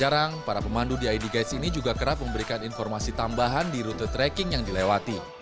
jarang para pemandu di id guides ini juga kerap memberikan informasi tambahan di rute trekking yang dilewati